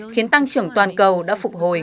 khiến tăng trưởng toàn cầu đã phục hồi